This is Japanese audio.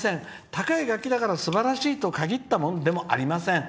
高い楽器だからすばらしいものと限ったことはありません。